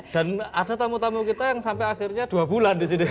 dan ada tamu tamu kita yang sampai akhirnya dua bulan di sini